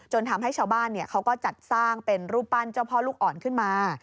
ทำให้ชาวบ้านเขาก็จัดสร้างเป็นรูปปั้นเจ้าพ่อลูกอ่อนขึ้นมา